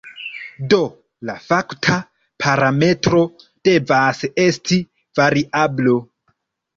Do, la fakta parametro devas esti variablo.